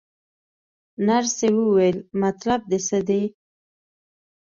نرسې وویل: مطلب دې څه دی؟